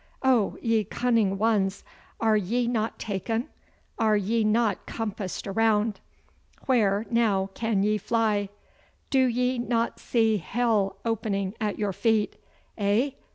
Oh, ye cunning ones! Are ye not taken? Are ye not compassed around? Where now can ye fly? Do ye not see hell opening at your feet? Eh?